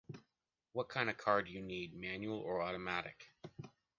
What kind of car do you need, manual or automatic?